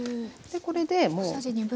これでもう。